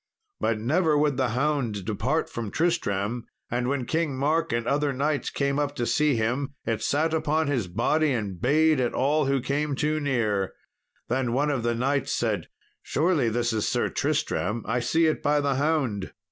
But never would the hound depart from Tristram; and when King Mark and other knights came up to see him, it sat upon his body and bayed at all who came too near. Then one of the knights said, "Surely this is Sir Tristram; I see it by the hound."